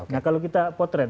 nah kalau kita potret